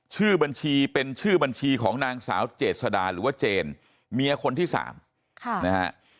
ชื่อบัญชีเป็นชื่อบัญชีของนางสาวเจษดาหรือว่าเจนเมียคนที่สามค่ะนะฮะ